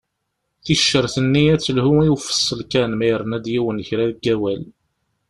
Ticcert-nni ad telhu i ufeṣṣel kan ma yerna-d yiwen kra deg awal.